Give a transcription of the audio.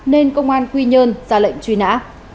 nên công an quy nhơn ra lệnh truy nã